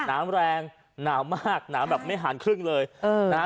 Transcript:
น้ำแรงหนาวมากหนาวแบบไม่หารครึ่งเลยเออนะฮะ